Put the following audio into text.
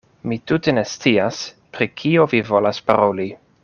Mi tute ne scias, pri kio vi volas paroli.